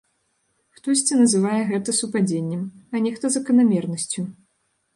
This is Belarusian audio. Хтосьці называе гэта супадзеннем, а нехта заканамернасцю.